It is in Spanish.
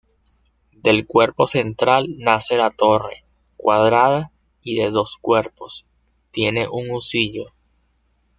Del cuerpo central nace la torre, cuadrada y de dos cuerpos; tiene un husillo.